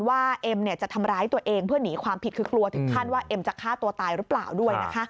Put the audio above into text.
เอ็มจะทำร้ายตัวเองเพื่อหนีความผิดคือกลัวถึงขั้นว่าเอ็มจะฆ่าตัวตายหรือเปล่าด้วยนะคะ